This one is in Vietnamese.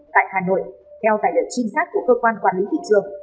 tại hà nội theo tài liệu trinh sát của cơ quan quản lý thị trường